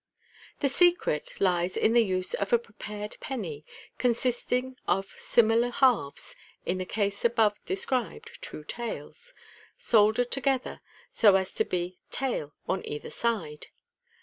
The secret lies in the use of a prepared penny, consisting of similar halves (in the case above described two " tails ") soldered together, so MODERN MAGIC. 183 at to be " tail " on either side.